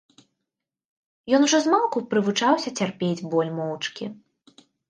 Ён ужо змалку прывучаўся цярпець боль моўчкі.